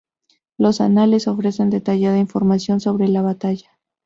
Los anales ofrecen detallada información sobre la batalla.